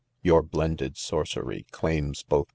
Your blended sorcery claims both.